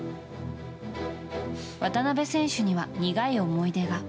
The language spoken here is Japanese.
渡邊選手には苦い思い出が。